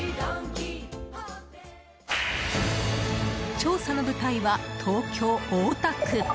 調査の舞台は、東京・大田区。